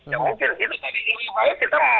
ya mungkin gitu